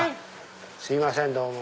すいませんどうも。